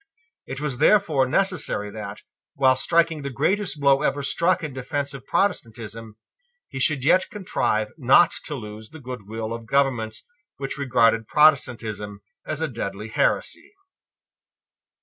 It was therefore necessary that, while striking the greatest blow ever struck in defence of Protestantism, he should yet contrive not to lose the goodwill of governments which regarded Protestantism as a deadly heresy.